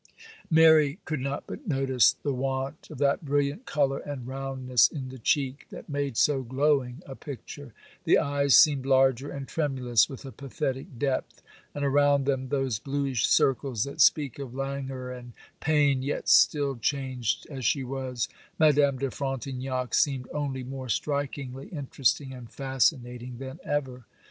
Mary could not but notice the want of that brilliant colour and roundness in the cheek, that made so glowing a picture; the eyes seemed larger and tremulous with a pathetic depth, and around them those bluish circles that speak of languor and pain; yet still, changed as she was, Madame de Frontignac seemed only more strikingly interesting and fascinating than ever.